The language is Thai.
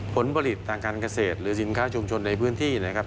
ผลผลิตต่างกันเกษตรหรือสินค้าชมชนในพื้นที่